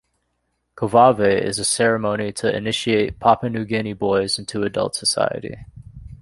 Kovave is a ceremony to initiate Papua New Guinea boys into adult society.